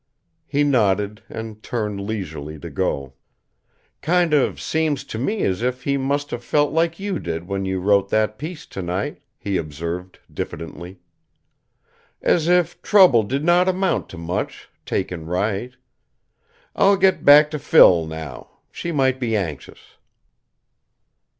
He nodded, and turned leisurely to go. "Kind of seems to me as if he must have felt like you did when you wrote that piece tonight," he observed diffidently. "As if trouble did not amount to much, taken right. I'll get back to Phil, now. She might be anxious."